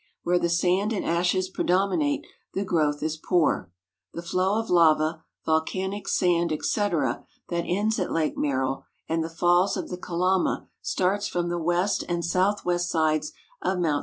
Where the sand and ashes predominate the growth is poor. The flow of lava, volcanic sand, etc., that ends at Lake Merrill and the falls of the Kalama, starts from the west and southwest sides of Mt.